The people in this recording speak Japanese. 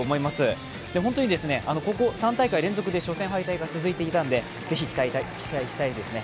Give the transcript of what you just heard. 本当に、ここ３大会連続で初戦敗退が続いていたので、ぜひ期待したいですね。